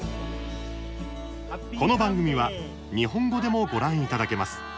この番組は日本語でもご覧いただけます。